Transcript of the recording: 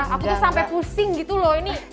aku tuh sampai pusing gitu loh ini